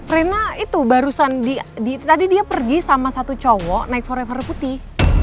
rena itu barusan tadi dia pergi sama satu cowok naik forever putih